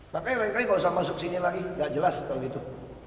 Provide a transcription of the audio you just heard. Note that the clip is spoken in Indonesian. pakai rengkai gak usah masuk sini lagi gak jelas kalau gitu